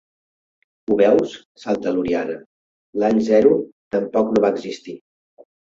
Ho veus? —salta l'Oriana— L'any zero tampoc no va existir!